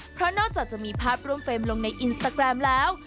เพราะนอกจากจะมีภาพร่วมเฟรมลงในอินสตาแกรมแล้ว